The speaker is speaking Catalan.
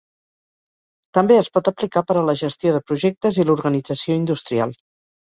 També es pot aplicar per a la gestió de projectes i l'organització industrial.